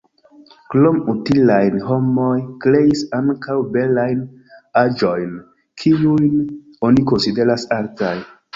Krom utilajn, homoj kreis ankaŭ belajn aĵojn, kiujn oni konsideras artaj.